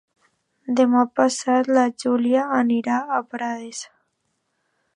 Demà passat en Julià anirà a Prades.